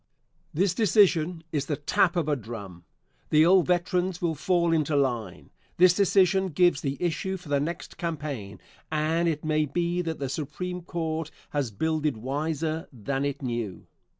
This decision is the tap of a drum. The old veterans will fall into line. This decision gives the issue for the next campaign, and it may be that the Supreme Court has builded wiser than it knew.